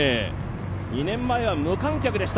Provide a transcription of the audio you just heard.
２年前は無観客でした。